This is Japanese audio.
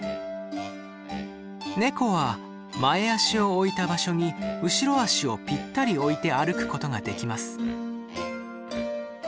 ネコは前足を置いた場所に後ろ足をぴったり置いて歩くことができます。